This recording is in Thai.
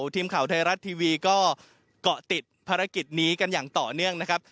ทีมข่าวไทยรัฐทีวีก็เกาะติดภารกิจนี้กันอย่างต่อเนื่องนะครับ